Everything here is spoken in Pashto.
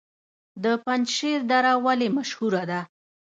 د پنجشیر دره ولې مشهوره ده؟